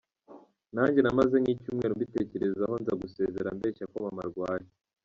Nanjye namaze nk’icyumweru mbitekerezaho nza gusezera mbeshya ko mama arwaye.